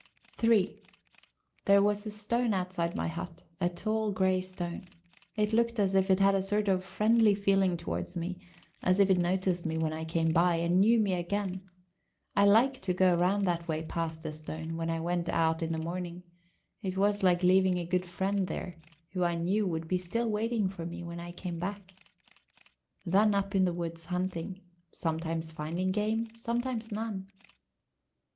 III There was a stone outside my hut, a tall grey stone. It looked as if it had a sort of friendly feeling towards me; as if it noticed me when I came by, and knew me again. I liked to go round that way past the stone, when I went out in the morning; it was like leaving a good friend there, who I knew would be still waiting for me when I came back. Then up in the woods hunting, sometimes finding game, sometimes none...